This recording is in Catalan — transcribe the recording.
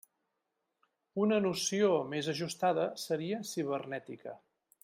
Una noció més ajustada seria cibernètica.